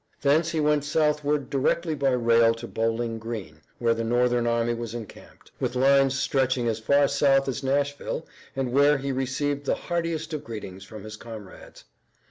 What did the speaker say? Thence he went southward directly by rail to Bowling Green, where the Northern army was encamped, with lines stretching as far south as Nashville, and where he received the heartiest of greetings from his comrades.